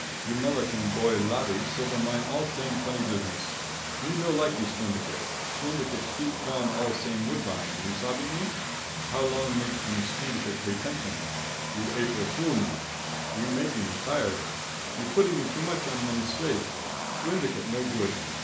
You Melican boy Laddee silver mine all same funny business. Me no likee slyndicate. Slyndicate heap gone all same woodbine. You sabbe me? How Long make em slyndicate pay tention. You April foolee me. You makee me tlired. You putee me too much on em slate. Slyndicate no good.